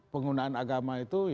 penggunaan agama itu